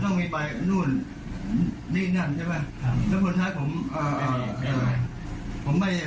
ต้องมีไปไหนต้องมีไปว่าคุณกลัวลิงกันอับอ่าพพ่อต้องมีไปโน่นนี่นั้นใช่ไหม